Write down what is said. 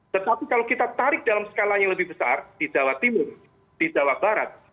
tetapi kalau kita tarik dalam skala yang lebih besar di jawa timur di jawa barat